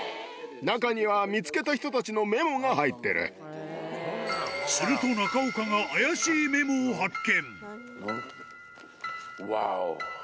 中には、見つけた人たちのメすると中岡が怪しいメモを発ワオ。